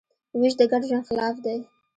وېش د ګډ ژوند خلاف دی.